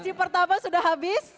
sesi pertama sudah habis